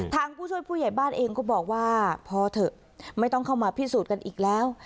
ผู้ช่วยผู้ใหญ่บ้านเองก็บอกว่าพอเถอะไม่ต้องเข้ามาพิสูจน์กันอีกแล้ว